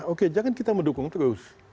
oke jangan kita mendukung terus